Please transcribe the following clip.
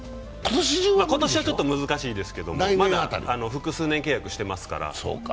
今年中はちょっと難しいですけど、まだ複数年契約してますから。